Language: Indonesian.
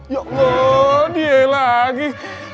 ya allah dia lagi